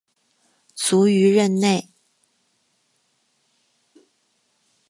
卒于任内。